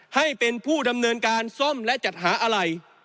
ให้เป็นผู้ดำเนินการซ่อมและจัดหาอะไร